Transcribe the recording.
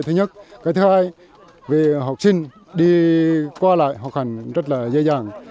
thứ nhất thứ hai học sinh đi qua lại học hành rất là dễ dàng